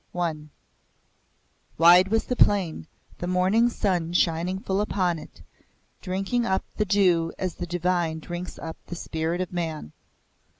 I Wide was the plain, the morning sun shining full upon it, drinking up the dew as the Divine drinks up the spirit of man.